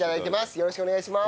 よろしくお願いします。